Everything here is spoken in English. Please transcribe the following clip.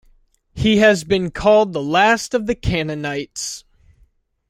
He has been called the last of the Canningites.